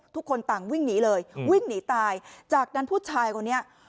ทุกคนต่างวิ่งหนีเลยวิ่งหนีตายจากนั้นผู้ชายคนนี้